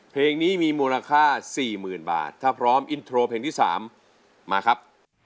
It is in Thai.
เพลงนี้มีมูลค่า๔๐๐๐บาทถ้าพร้อมอินโทรเพลงที่๓มาครับ